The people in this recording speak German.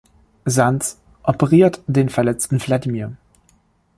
Sands operiert den verletzten Vladimir.